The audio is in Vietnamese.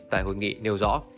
tại hội nghị nêu rõ